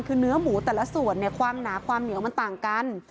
คือเนื้อหมูแต่ละส่วนเนี่ยความหนาความเหนียวมันต่างกัน